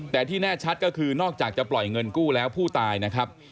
แต่ที่แน่ชัดก็คือนอกจากจะปล่อยเงินกู้แล้วผู้ตายนะครับ